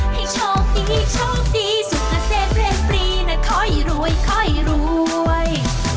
ให้โชคดีโชคดีสุขเกษตรเรียนปรีนะค่อยรวยค่อยรวย